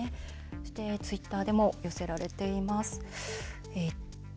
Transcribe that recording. ツイッターでも寄せられています。